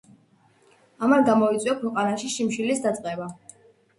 ამან გამოიწვია ქვეყანაში შიმშილის დაწყება.